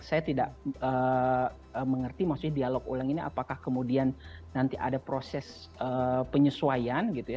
saya tidak mengerti maksudnya dialog ulang ini apakah kemudian nanti ada proses penyesuaian gitu ya